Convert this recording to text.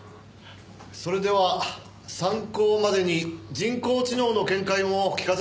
それでは参考までに人工知能の見解も聞かせてもらえますか？